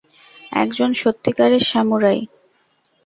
একজন সত্যিকারের সামুরাই!